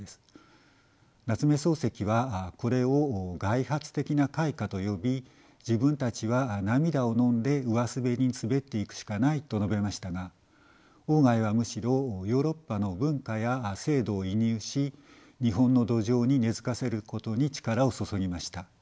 夏目漱石はこれを外発的な開化と呼び自分たちは涙をのんで上滑りに滑っていくしかないと述べましたが外はむしろヨーロッパの文化や制度を移入し日本の土壌に根づかせることに力を注ぎました。